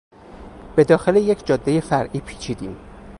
به داخل یک جادهی فرعی پیچیدیم.